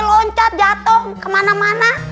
loncat jatuh kemana mana